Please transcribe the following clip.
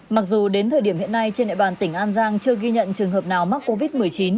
mặc dù đến thời điểm hiện nay trên địa bàn tỉnh an giang chưa ghi nhận trường hợp nào mắc covid một mươi chín